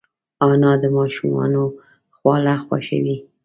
انا د ماشومانو خواړه خوښوي